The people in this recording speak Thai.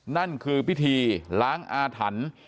นั่นคือพิธีล้างอาถรรพ์